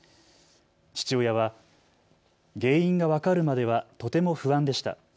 父親は、原因が分かるまではとても不安でした。